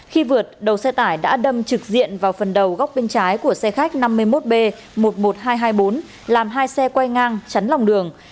khi vượt đầu xe tải đã đâm trực diện vào phần đầu góc bên trái của xe khách năm mươi một b một mươi một nghìn hai trăm hai mươi bốn làm hai xe quay ngang chắn lòng đường